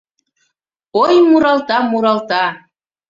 Ой, муралта, муралта.